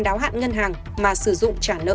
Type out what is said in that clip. đáo hạn ngân hàng mà sử dụng trả nợ